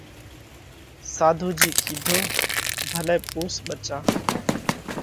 ۔ ساڌُو جِي ڪِيڌو: ڀلئہ پُونس ٻچا۔